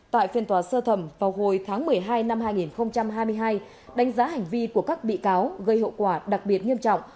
tại phiên tòa sơ thẩm vào hồi tháng một mươi hai năm hai nghìn hai mươi hai đánh giá hành vi của các bị cáo gây hậu quả đặc biệt nghiêm trọng